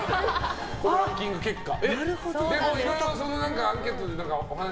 このランキング結果。